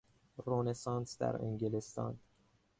رنسانس در انگلستان